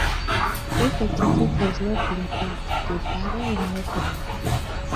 If a ticket has not been paid, the barrier will not raise.